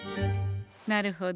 なるほど。